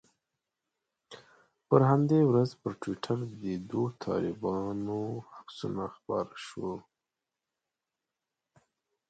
په همدې ورځ پر ټویټر د دوو طالبانو عکسونه خپاره شوي.